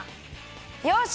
よし！